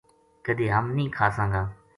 کدے ہم نیہہ کھاساں گا